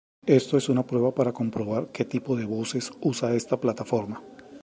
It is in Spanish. esto es una prueba para comprobar que tipo de voces usa esta plataforma